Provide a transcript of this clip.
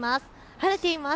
晴れています。